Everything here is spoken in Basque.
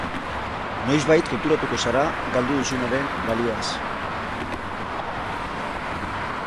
Noizbait konturatuko zara galdu duzunaren balioaz.